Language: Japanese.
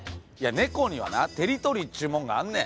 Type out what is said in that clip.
ネコにはなテリトリーっちゅうもんがあんねん。